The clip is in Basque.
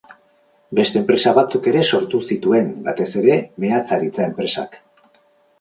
Beste enpresa batzuk ere sortu zituen, batez ere, meatzaritza-enpresak.